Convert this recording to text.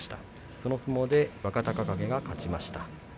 その相撲で若隆景が勝ちました。